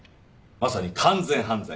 まさに完全犯罪。